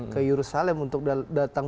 ke yerusalem untuk datang